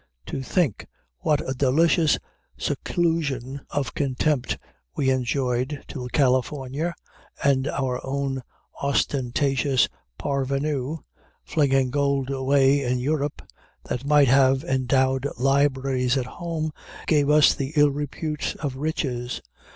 To think what a delicious seclusion of contempt we enjoyed till California and our own ostentatious parvenus, flinging gold away in Europe that might have endowed libraries at home, gave us the ill repute of riches!